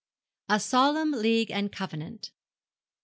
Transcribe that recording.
A SOLEMN LEAGUE AND COVENANT.